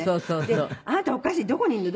で「あなたおかしい」「どこにいるの？